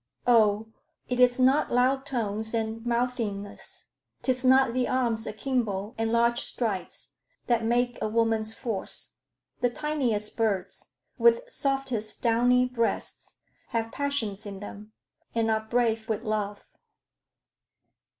Oh, it is not loud tones and mouthingness, 'Tis not the arms akimbo and large strides, That make a woman's force. The tiniest birds, With softest downy breasts, have passions in them, And are brave with love.